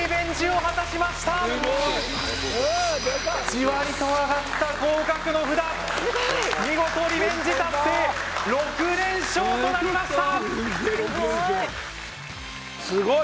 じわりとあがった合格の札見事リベンジ達成６連勝となりました！